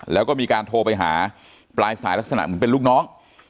แล้วก็มีการโทรไปหาปลายสายลักษณะเหมือนเป็นลูกน้อง